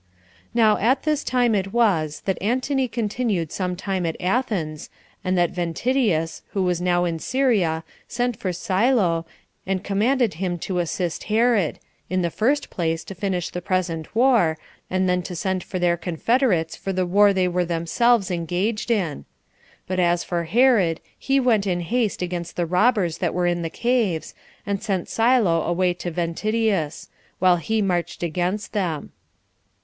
5. About this time it was that Antony continued some time at Athens, and that Ventidius, who was now in Syria, sent for Silo, and commanded him to assist Herod, in the first place, to finish the present war, and then to send for their confederates for the war they were themselves engaged in; but as for Herod, he went in haste against the robbers that were in the caves, and sent Silo away to Ventidius, while he marched against them.